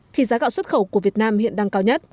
thì giá gạo xuất khẩu của việt nam hiện đang cao nhất